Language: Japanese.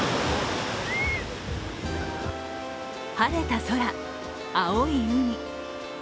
晴れた空、青い海。